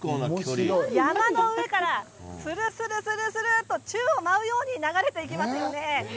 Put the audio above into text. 山の上から、するするっと宙を舞うように流れてきますよね。